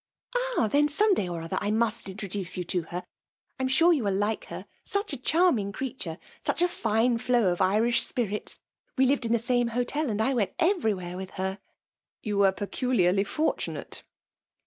" Ah ! then^ some day or other I must intro* duce you to her. I am sure you will like her, such a charming creature ! Such a fine flow of Irish spirits! — We lived in the same hotel, and I went everywhere with her." *' You were peculiarly fortunate